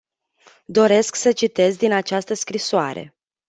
Doresc să citez din această scrisoare.